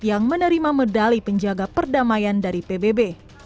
yang menerima medali penjaga perdamaian dari pbb